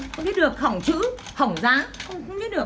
không viết được hỏng chữ hỏng giá không viết được